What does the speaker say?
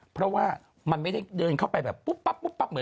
เพราะว่ามันไม่ได้เดินเข้าไปแบบปุ๊ปป๊ั๊บ